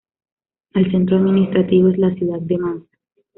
El centro administrativo es la ciudad de Mansa.